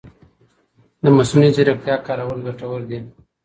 د مصنوعي ځېرکتیا کارول ګټور دي.